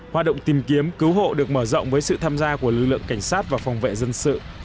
hoạt động tìm kiếm cứu hộ được mở rộng với sự tham gia của lực lượng cảnh sát và phòng vệ dân sự